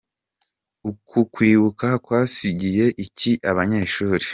Uku kwibuka kwasigiye iki abanyeshuri ?.